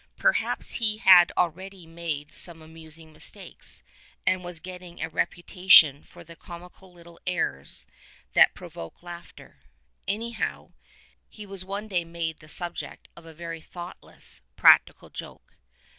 Perhaps he had already made some amusing mistakes, and 143 was getting a reputation for the comical little errors that provoke laughter; anyhow, he was one day made the subject of a very thoughtless practical joke.